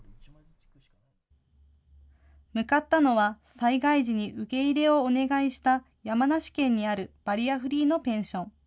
向かったのは、災害時に受け入れをお願いした山梨県にあるバリアフリーのペンション。